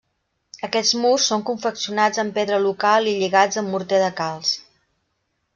Aquests murs són confeccionats amb pedra local i lligats amb morter de calç.